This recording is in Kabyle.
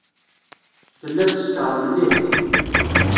Tella teskeṛ mliḥ.